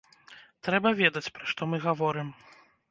Трэба ведаць, пра што мы гаворым.